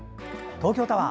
東京タワー！